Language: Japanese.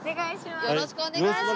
よろしくお願いします。